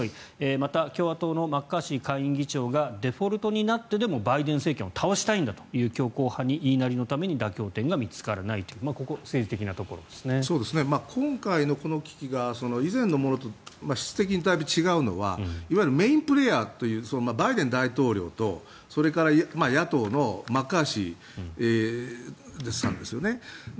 また、共和党のマッカーシー下院議長がデフォルトになってでもバイデン政権を倒したいんだという強硬派に言いなりのために妥協点が見つからないという今回の危機が以前のものと質的にだいぶ違うのはいわゆるメインプレーヤーというバイデン大統領と、それから野党のマッカーシーさんです。